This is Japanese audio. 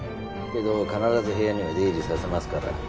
けど必ず部屋には出入りさせますから